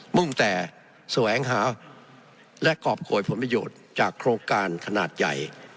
มุ่งแต่แสวงหาและกรอบโขยผลประโยชน์จากโครงการขนาดใหญ่